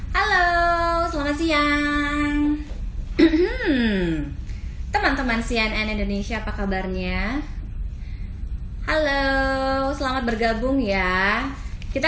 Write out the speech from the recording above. halo selamat siang teman teman cnn indonesia apa kabarnya halo selamat bergabung ya kita